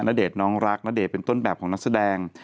ณเดชน์น้องรักณเดชน์เป็นต้นแบบของนักแสดง